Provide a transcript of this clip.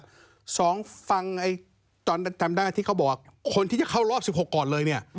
แล้วน้องฟังตอนต่างที่เขาบอกว่าคนที่จะเข้ารอบ๑๖ก่อนเลยเนี่ย